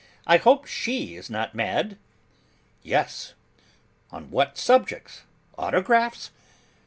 I hope she is not mad?' 'Yes.' 'On what subject? Autographs?